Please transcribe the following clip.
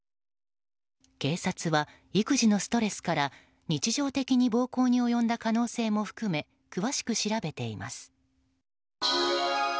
警察は育児のストレスから日常的に暴行に及んだ可能性も含め詳しく調べています。